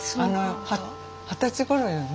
二十歳ごろよね？